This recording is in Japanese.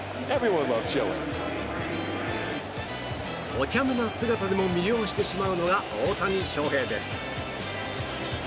おちゃめな姿でも魅了してしまうのが大谷翔平です。